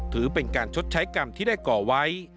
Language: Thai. ถือเป็นการชดใช้กรรมที่ได้ก่อไว้